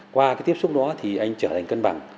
qua cái tiếp xúc đó thì anh trở thành cân bằng